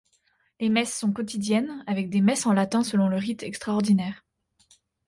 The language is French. Les messes sont quotidiennes avec des messes en latin selon le rite extraordinaire.